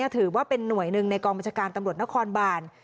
ถือว่าเป็นหน่วยหนึ่งในกองบัญชาการตำรวจนครบาน